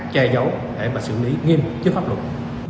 che giấu để xử lý nghiêm chức pháp luật